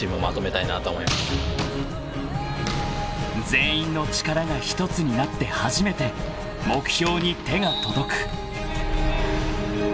［全員の力が１つになって初めて目標に手が届く］